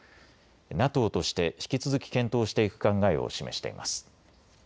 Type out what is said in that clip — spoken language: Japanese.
ＮＡＴＯとして引き続き検討していく考えを示しています。